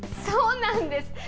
そうなんです。